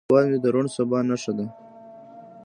هیواد مې د روڼ سبا نښه ده